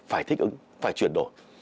phải thích ứng phải chuyển đổi